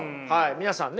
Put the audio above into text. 皆さんね